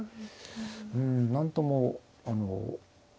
うん何ともあの。